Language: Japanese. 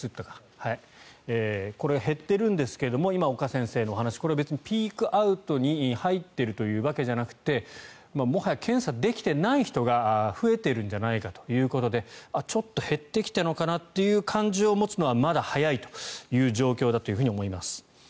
これが減っているんですけど今、岡先生のお話これは別にピークアウトに入っているというわけではなくてもはや検査できていない人が増えているんじゃないかということでちょっと減ってきたのかなという感じを持つのはまだ早いという状況だと思います。